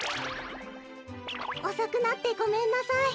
おそくなってごめんなさい。